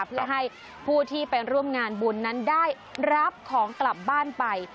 เพื่อให้ผู้ที่ไปร่วมงานบุญนั้นได้รับของกลับบ้านไป